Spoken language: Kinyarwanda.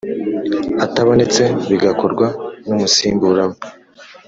atabonetse bigakorwa n umusimbura we